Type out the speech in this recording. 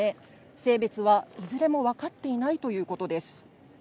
性別はいずれも分かっていないということです。